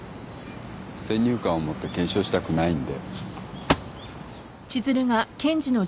先入観を持って検証したくないんで。